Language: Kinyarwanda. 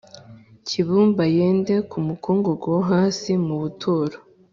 cy ibumba yende ku mukungugu wo hasi mu buturo